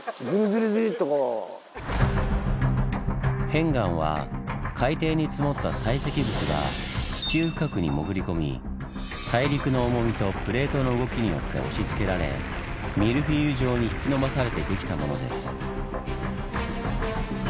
片岩は海底に積もった堆積物が地中深くに潜り込み大陸の重みとプレートの動きによって押しつけられミルフィーユ状に引き伸ばされてできたものです。